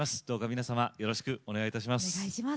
どうか皆様よろしくお願いいたします。